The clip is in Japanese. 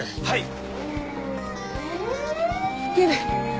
はい。